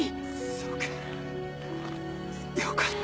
そうかよかった。